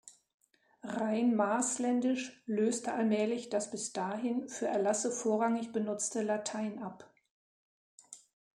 Rhein-Maasländisch löste allmählich das bis dahin für Erlasse vorrangig benutzte Latein ab.